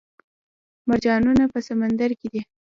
مرجانونه په سمندر کې دي